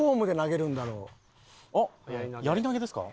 あっやり投げですか？